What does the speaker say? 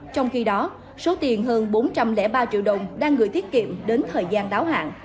trong khi đó số tiền hơn bốn trăm linh ba triệu đồng đang gửi tiết kiệm đến thời gian đáo hạn